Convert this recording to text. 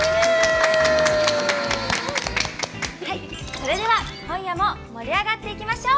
それでは今夜も盛り上がっていきましょう！